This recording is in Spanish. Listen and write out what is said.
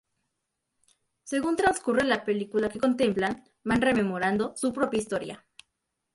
Según transcurre la película que contemplan, van rememorando su propia historia.